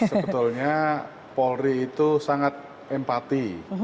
sebetulnya polri itu sangat empati